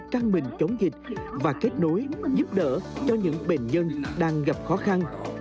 căng mình chống dịch và kết nối giúp đỡ cho những bệnh nhân đang gặp khó khăn